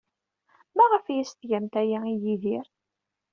Maɣef ay as-tgamt aya i Yidir?